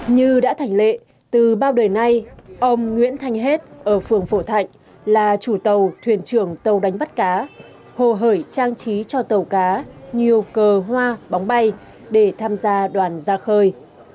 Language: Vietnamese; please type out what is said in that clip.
như đã thành lệ từ bao đời nay ông nguyễn thanh hết ở phường phổ thạnh là chủ tàu thuyền trưởng tàu đánh bắt cá hồ hời trang trí cho tàu cá nhiều cờ hoa bóng bay để tham gia đoàn ra khơi